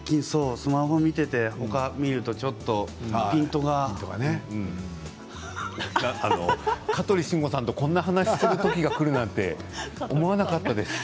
スマホを見ていてほかを見ると香取慎吾さんとこんな話をするときがくるなんて思わなかったです。